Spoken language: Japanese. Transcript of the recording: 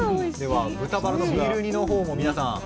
では豚バラのビール煮のほうも皆さん。